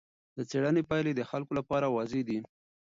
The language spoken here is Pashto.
د څېړنې پایلې د خلکو لپاره واضح دي.